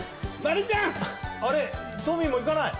あれトミーもいかない？